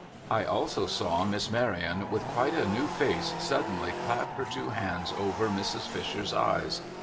I also saw Miss Maryon, with quite a new face, suddenly clap her two hands over Mrs. Fisher's eyes.